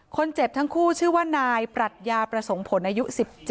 คนเจ็บทั้งคู่ชื่อว่านายปรัชญาประสงค์ผลอายุ๑๗